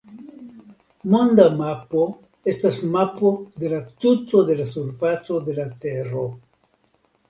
Monda mapo estas mapo de la tuto de la surfaco de la Tero.